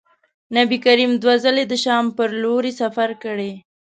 نبي کریم دوه ځلي د شام پر لوري سفر کړی.